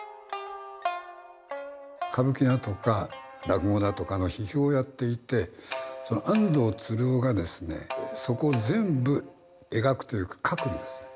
歌舞伎だとか落語だとかの批評をやっていてその安藤鶴夫がですねそこを全部描くというか書くんです。